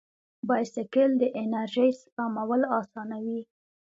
بایسکل د انرژۍ سپمول اسانوي.